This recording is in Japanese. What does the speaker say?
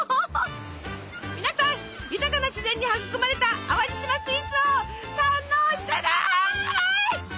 皆さん豊かな自然に育まれた淡路島スイーツを堪能してね！